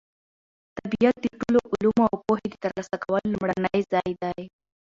طبیعت د ټولو علومو او پوهې د ترلاسه کولو لومړنی ځای دی.